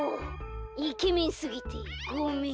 イケメンすぎてごめん。